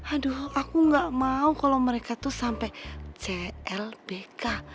aduh aku gak mau kalo mereka tuh sampe clbk